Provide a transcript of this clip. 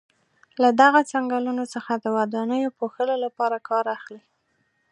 له دغو څنګلونو څخه د ودانیو پوښلو لپاره کار اخلي.